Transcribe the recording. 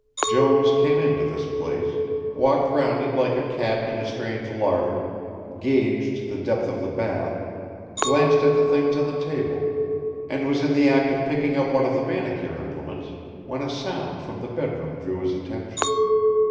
Jones came into this place, walked round it like a cat in a strange larder, gauged the depth of the bath, glanced at the things on the table, and was in the act of picking up one of the manicure implements, when a sound from the bed room drew his attention.